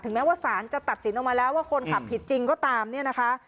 แม้ว่าสารจะตัดสินออกมาแล้วว่าคนขับผิดจริงก็ตามเนี่ยนะคะ